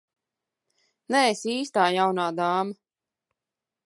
Neesi īstā jaunā dāma.